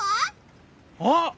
あっ！